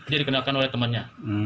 dia dikenalkan oleh temannya